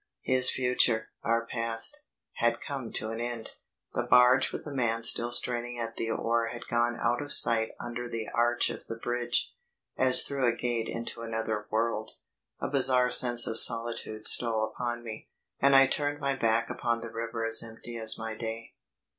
His future our past, had come to an end. The barge with the man still straining at the oar had gone out of sight under the arch of the bridge, as through a gate into another world. A bizarre sense of solitude stole upon me, and I turned my back upon the river as empty as my day.